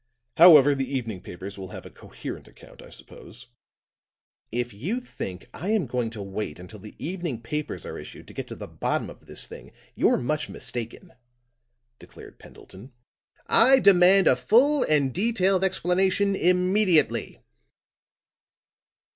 However, the evening papers will have a coherent account, I suppose." "If you think I am going to wait until the evening papers are issued to get to the bottom of this thing, you're much mistaken," declared Pendleton. "I demand a full and detailed explanation immediately."